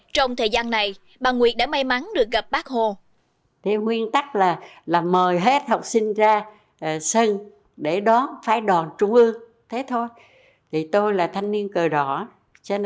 trong thời gian này bà nguyệt đã may mắn được gặp bác hồ